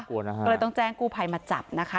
ก็เลยต้องแจ้งกู้ภัยมาจับนะคะ